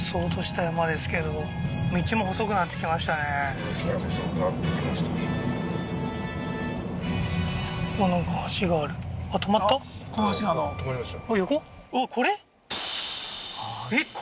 そうですね細くなってきました停まりました